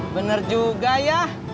bener juga ya